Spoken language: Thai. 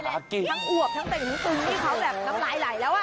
ทั้งอวบทั้งตึงทั้งตึงที่เขาแบบน้ำไหลแล้ว